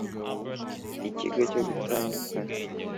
ikigo cyo gutandukana